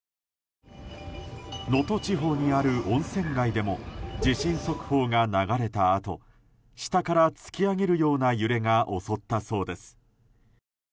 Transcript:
能登地方にある温泉街でも地震速報が流れたあと下から突き上げるような揺れが襲ったそうです。